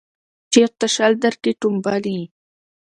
چیرته شل درکښې ټومبلی